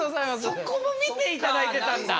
そこも見て頂いてたんだ。